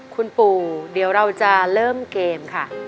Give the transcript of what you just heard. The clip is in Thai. คุณปู่เดี๋ยวเราจะเริ่มเกมค่ะ